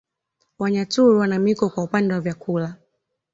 Wanyaturu wana miiko kwa upande wa vyakula